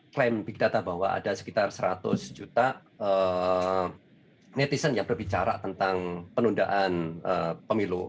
klaim big data bahwa ada sekitar seratus juta netizen yang berbicara tentang penundaan pemilu